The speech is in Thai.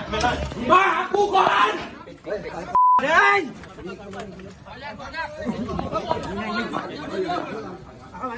กระทำชุมเหลานะครับอืมโดยเริ่มกันกับความช่วยความช่วยกัน